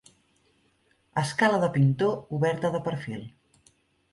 Escala de pintor oberta de perfil.